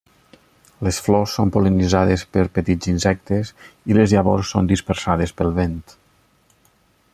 Les flors són pol·linitzades per petits insectes i les llavors són dispersades pel vent.